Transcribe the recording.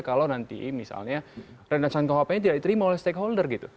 kalau nanti misalnya radasan kuhp nya tidak diterima oleh stakeholder gitu